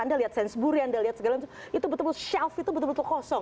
anda lihat sainsburi anda lihat segala macam itu betul betul shelf itu betul betul kosong